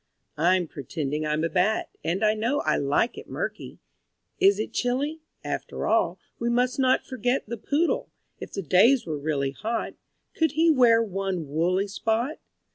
I'm pretending I'm a Bat, And I know I like it murky. Is it chilly? After all, We must not forget the Poodle. If the days were really hot, Could he wear one woolly spot?